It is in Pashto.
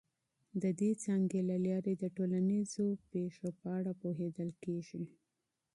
د دې څانګې له لاري د ټولنیزو پیښو په اړه پوهیدل کیږي.